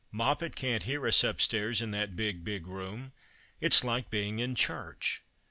Moppet can't hear us upstairs in that big, big room. It's like being in church.